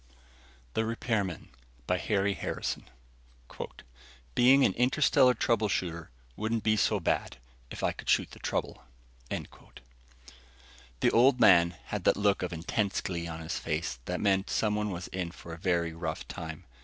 net The Repairman By HARRY HARRISON Illustrated by KRAMER Being an interstellar trouble shooter wouldn't be so bad ... if I could shoot the trouble! The Old Man had that look of intense glee on his face that meant someone was in for a very rough time.